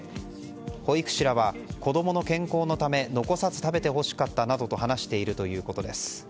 保育士らは、子供の健康のため残さず食べてほしかったなどと話しているということです。